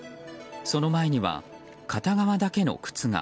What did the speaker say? その前には、片側だけの靴が。